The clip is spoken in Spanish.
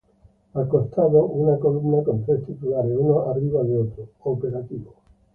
Al costado una columna con tres titulares, uno arriba de otro: “Operativo.